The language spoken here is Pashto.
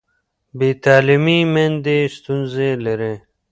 بې تعلیمه میندې ستونزه لري.